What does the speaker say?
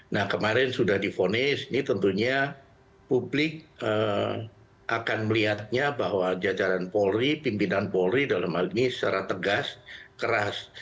nah kemarin sudah difonis ini tentunya publik akan melihatnya bahwa jajaran polri pimpinan polri dalam hal ini secara tegas keras